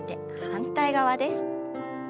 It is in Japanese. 反対側です。